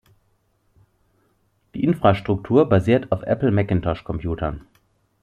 Die Infrastruktur basiert auf Apple Macintosh-Computern.